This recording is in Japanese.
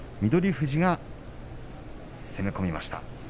富士が攻め込みました。